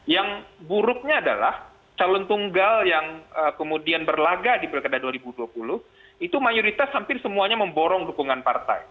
yang buruknya adalah calon tunggal yang kemudian berlaga di pilkada dua ribu dua puluh itu mayoritas hampir semuanya memborong dukungan partai